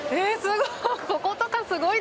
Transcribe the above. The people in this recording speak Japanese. すごい！